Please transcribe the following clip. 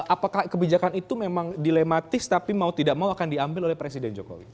apakah kebijakan itu memang dilematis tapi mau tidak mau akan diambil oleh presiden jokowi